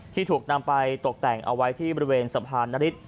ที่ถูกนำไปตกแต่งเอาไว้ที่บริเวณสะพานนฤทธ